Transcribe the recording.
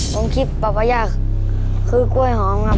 ผมคิดภรรยาคือกล้วยหอมครับ